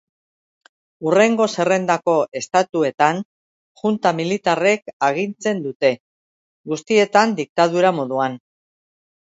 Hurrengo zerrendako estatuetan junta militarrek agintzen dute, guztietan diktadura moduan.